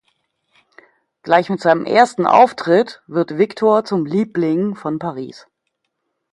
Gleich mit seinem ersten Auftritt wird Victor zum Liebling von Paris.